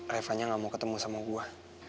revanya gak mau ketemu sama gue